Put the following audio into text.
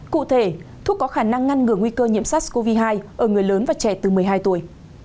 cụ thể thuốc có khả năng ngăn ngừa nguy cơ nhiễm sát covid một mươi chín ở người lớn và trẻ từ một mươi hai tuổi